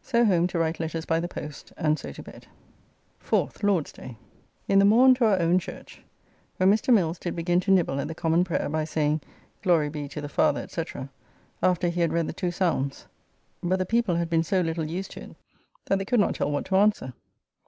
So home to write letters by the post, and so to bed. 4th (Lord's day). In the morn to our own church, where Mr. Mills did begin to nibble at the Common Prayer, by saying "Glory be to the Father, &c." after he had read the two psalms; but the people had been so little used to it, that they could not tell what to answer.